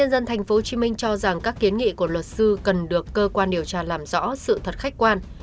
dân thành phố hồ chí minh cho rằng các kiến nghị của luật sư cần được cơ quan điều tra làm rõ sự thật khách quan